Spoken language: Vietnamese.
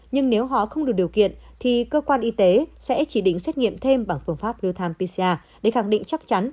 nhưng nếu họ không đủ điều kiện thì cơ quan y tế sẽ chỉ định xét nghiệm thêm bằng phương pháp real time pcr để khẳng định chắc chắn